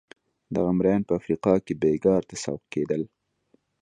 دغه مریان په افریقا کې بېګار ته سوق کېدل.